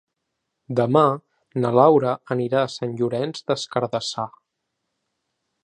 Demà na Laura anirà a Sant Llorenç des Cardassar.